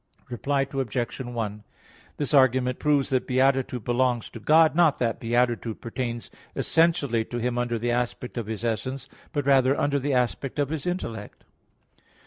Reply Obj. 1: This argument proves that beatitude belongs to God; not that beatitude pertains essentially to Him under the aspect of His essence; but rather under the aspect of His intellect.